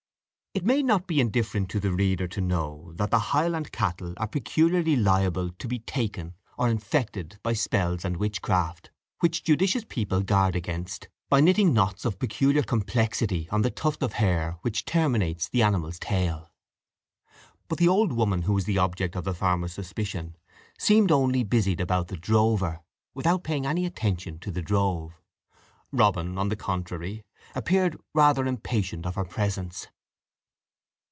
It may not be indifferent to the reader to know that the Highland cattle are peculiarly liable to be "taken," or infected, by spells and witchcraft, which judicious people guard against by knitting knots of peculiar complexity on the tuft of hair which terminates the animal's tail. But the old woman who was the object of the farmer's suspicion seemed only busied about the drover, without paying any attention to the drove. Robin, on the contrary, appeared rather impatient of her presence.